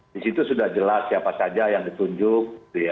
di situ sudah jelas siapa saja yang ditunjuk